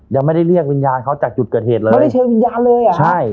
ยังไม่ได้เรียกวิญญาณเขาจากจุดเกิดเหตุเลยไม่ได้เชิญวิญญาณเลยอ่ะใช่